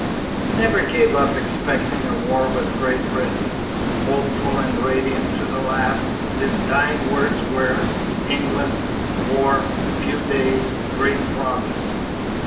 He never gave up expecting a war with Great Britain. Hopeful and radiant to the last, his dying words were, England war few days great profits!